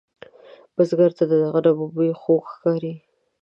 بزګر ته د غنمو بوی خوږ ښکاري